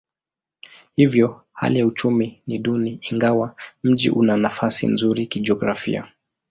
Hivyo hali ya uchumi ni duni ingawa mji una nafasi nzuri kijiografia.